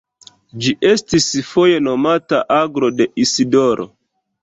Ĝi estas foje nomata Aglo de Isidoro.